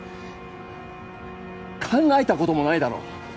考えたこともないだろ？